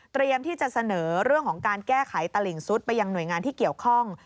ที่จะเสนอเรื่องของการแก้ไขตลิ่งซุดไปยังหน่วยงานที่เกี่ยวข้อง